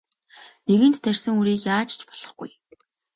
Нэгэнт тарьсан үрийг яаж ч болохгүй.